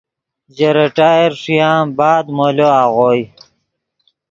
ژے ریٹائر ݰویان بعد مولو آغوئے